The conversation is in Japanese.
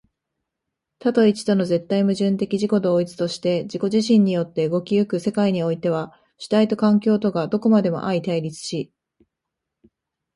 多と一との絶対矛盾的自己同一として自己自身によって動き行く世界においては、主体と環境とがどこまでも相対立し、